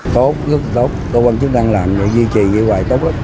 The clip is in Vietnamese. tốt rất là tốt tổ quân chức đang làm giữ gì hoài tốt